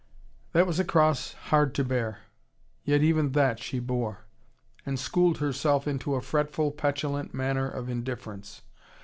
That was a cross hard to bear. Yet even that she bore. And schooled herself into a fretful, petulant manner of indifference.